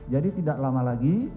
jadi tidak lama lagi